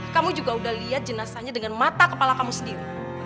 kamu juga udah lihat jenazahnya dengan mata kepala kamu sendiri